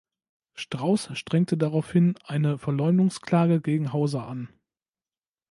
Strauß strengte daraufhin eine Verleumdungsklage gegen Hauser an.